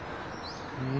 うん。